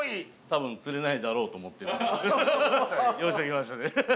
多分釣れないだろうと思って用意しておきました。